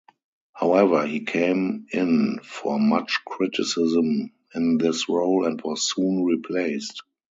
However he came in for much criticism in this role and was soon replaced.